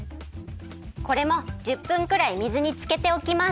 これも１０分くらい水につけておきます。